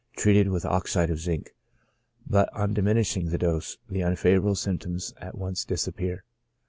87 treated with oxide of zinc ; but on diminishing the dose, the unfavorable symptoms at once disappear.